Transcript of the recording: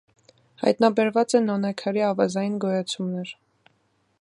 Հայտնաբերված է նոնաքարի ավազային գոյացումներ։